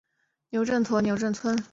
牛驼镇镇政府驻牛驼六村。